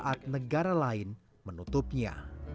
saat negara lain menutupnya